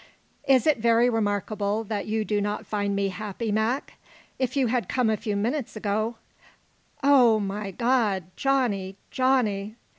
Is it very remarkable that you do not find me happy, Mac? If you had come a few minutes ago " "Oh, my God! Johnny! Johnny!"